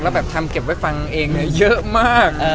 แล้วแบบทำเก็บไว้ฟังเองเนี่ยเยอะมาก